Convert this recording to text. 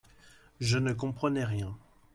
Je ne comprenais rien.